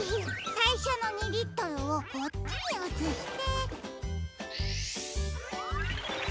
さいしょの２リットルをこっちにうつして。